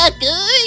aku ingin berbicara